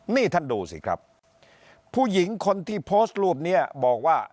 นี่ท่านดูสิครับผู้หญิงคนที่โพสต์รูปนี้บอกว่า